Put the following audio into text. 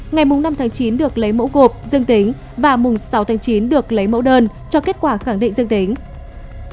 ngày năm tháng chín được lấy mẫu gộp dương tính và mùng sáu tháng chín được lấy mẫu đơn cho kết quả khẳng định dương tính